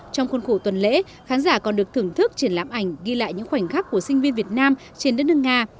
trong khuôn khổ tuần lễ khán giả còn được thưởng thức triển lãm ảnh ghi lại những khoảnh khắc của sinh viên việt nam trên đất nước nga